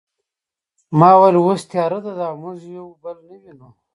ما وویل اوس تیاره ده او موږ یو بل نه وینو